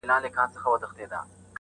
شیخ لا هم وو په خدمت کي د لوی پیر وو٫